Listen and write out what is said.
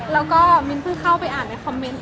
แล้วก็มินเข้าไปอ่านในคอมเม้นซ์